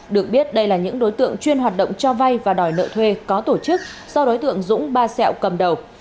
được biết đây là những đối tượng chuyên hoạt động cho vay và đòi nợ thuê có tổ chức do đối tượng dũng ba xẹo cầm đầu